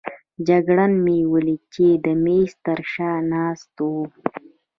جګړن مې ولید چې د مېز تر شا ناست وو.